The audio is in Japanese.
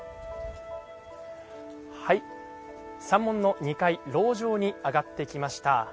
三門の２階楼上に上がってきました。